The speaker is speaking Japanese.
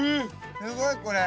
すごいこれ！